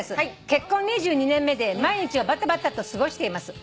「結婚２２年目で毎日をバタバタと過ごしています」